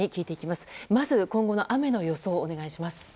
まず今後の雨の予想をお願いします。